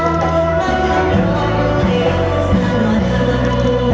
สวัสดีครับ